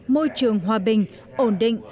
môi trường hòa bình ổn định